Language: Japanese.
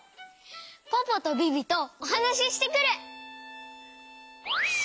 ポポとビビとおはなししてくる！